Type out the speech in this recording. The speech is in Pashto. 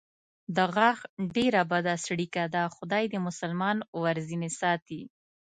د غاښ ډېره بده څړیکه ده، خدای دې مسلمان ورځنې ساتي.